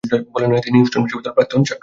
তিনি হিউস্টন বিশ্ববিদ্যালয়ের প্রাক্তন ছাত্র।